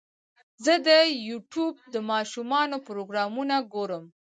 زه د یوټیوب د ماشومانو پروګرامونه ګورم.